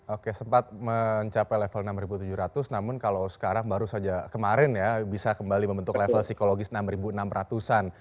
oke sempat mencapai level enam tujuh ratus namun kalau sekarang baru saja kemarin ya bisa kembali membentuk level psikologis enam enam ratus an